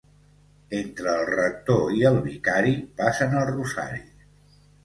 Entre el rector i el vicari passen el rosari.